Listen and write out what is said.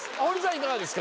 いかがですか？